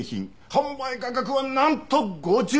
販売価格はなんと５０万円！